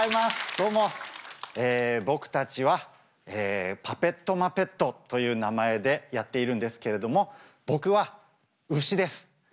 どうも僕たちはパペットマペットという名前でやっているんですけれども僕はうしです。